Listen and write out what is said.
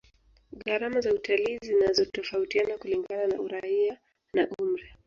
gharama za utalii zinatofautiana kulingana na uraia na umri